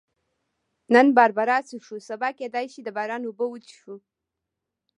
نن باربرا څښو، سبا کېدای شي د باران اوبه وڅښو.